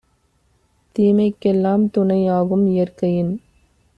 தீமைக்கெல் லாம்துணை யாகும்; இயற்கையின்